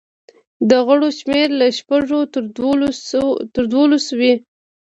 د غړو شمېر له شپږو تر دولسو وي.